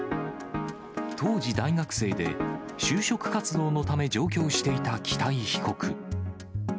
当時大学生で、就職活動のため上京していた北井被告。